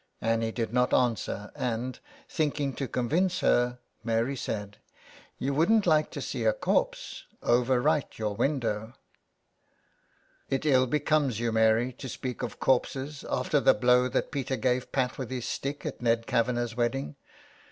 Annie did not answer, and, thinking to convince her, Mary said :*' You wouldn't like to see a corpse over right your window." "It ill becomes you, Mary, to speak of corpses after the blow that Peter gave Pat with his stick at Ned Kavanagh's wedding.